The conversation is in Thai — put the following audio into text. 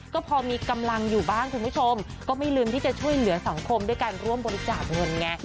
ก็พอมีกำลังอยู่บ้างคุณผู้ชมก็ไม่ลืมที่จะช่วยเหลือสังคมด้วยการร่วมบริจาคเงินไง